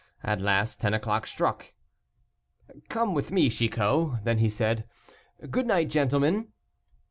At last ten o'clock struck. "Come with me, Chicot," then said he, "good night, gentlemen."